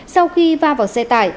sau khi va vào xe tải